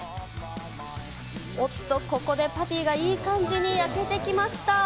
おっと、ここでパティがいい感じに焼けてきました。